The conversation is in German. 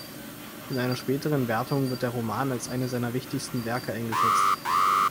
In einer späteren Wertung wird der Roman als einer seiner wichtigsten Werke eingeschätzt.